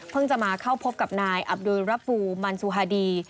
จะมาเข้าพบกับนายอับดุลระปูมันสุฮาดี